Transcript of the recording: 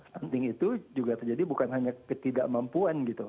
stunting itu juga terjadi bukan hanya ketidakmampuan gitu